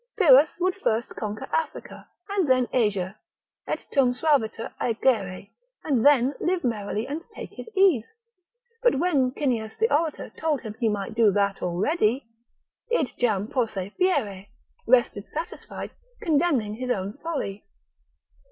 Pyrrhus would first conquer Africa, and then Asia, et tum suaviter agere, and then live merrily and take his ease: but when Cyneas the orator told him he might do that already, id jam posse fieri, rested satisfied, condemning his own folly.